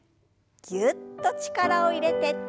ぎゅっと力を入れて。